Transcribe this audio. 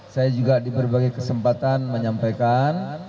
saya juga di berbagai kesempatan menyampaikan